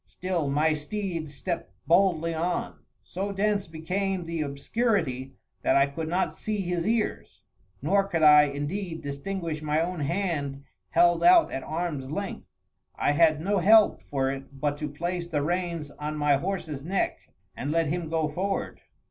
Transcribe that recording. Still my steed stepped boldly on. So dense became the obscurity, that I could not see his ears; nor could I, indeed, distinguish my own hand held out at arms length. I had no help for it but to place the reins on my horse's neck and let him go forward.